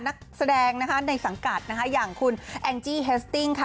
นักแสดงนะคะในสังกัดนะคะอย่างคุณแองจี้เฮสติ้งค่ะ